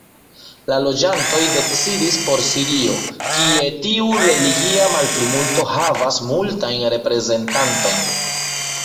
La loĝantoj decidis por Sirio, kie tiu religia malplimulto havas multajn reprezentantojn.